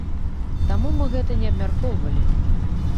Таму мы гэта не абмяркоўвалі.